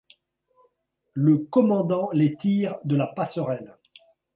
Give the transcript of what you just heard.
Le commandant les tire de la passerelle.